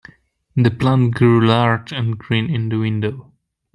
The plant grew large and green in the window.